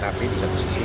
tapi di satu sisi